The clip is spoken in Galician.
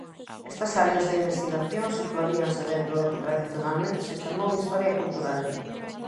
Estas áreas de investigación situaríanse dentro do que tradicionalmente se chamou historia cultural.